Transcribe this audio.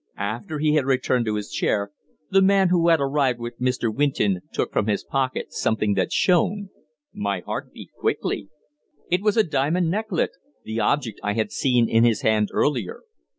After he had returned to his chair, the man who had arrived with Mr. Winton took from his pocket something that shone. My heart beat quickly. It was a diamond necklet the object I had seen in his hand earlier.